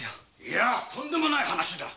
・とんでもない話だ。